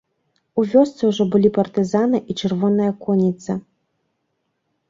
У вёсцы ўжо былі партызаны і чырвоная конніца.